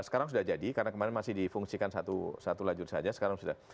sekarang sudah jadi karena kemarin masih difungsikan satu lajur saja sekarang sudah